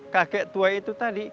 kakek tua itu tadi